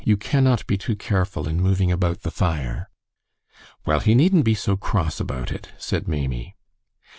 You cannot be too careful in moving about the fire." "Well, he needn't be so cross about it," said Maimie.